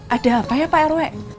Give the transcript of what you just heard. ada apa ya pak rw